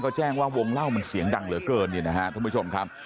ก็แจ้งว่าวงเล่ามันเสียงดังเหลือเกินเนี่ยนะฮะท่านผู้ชมครับ